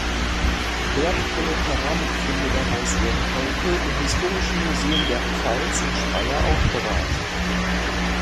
Wertvolle Keramikfunde daraus werden heute im Historischen Museum der Pfalz in Speyer aufbewahrt.